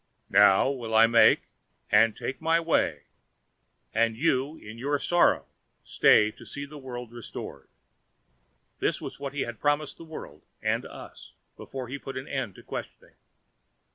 "Now will I make, and take my way, and you in your sorrow stay to see the world restored." This was as he had promised the world, and us, before he put an end to questioning.